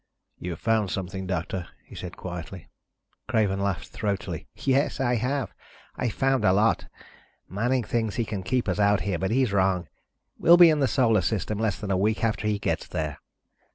"You've found something, Doctor," he said quietly. Craven laughed, throatily. "Yes, I have. I've found a lot. Manning thinks he can keep us out here, but he's wrong. We'll be in the Solar System less than a week after he gets there."